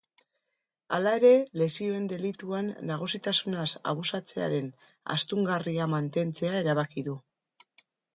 Hala ere, lesioen delituan nagusitasunaz abusatzearen astungarria mantentzea erabaki du.